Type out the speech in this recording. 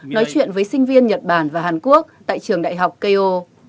nói chuyện với sinh viên nhật bản và hàn quốc tại trường đại học k o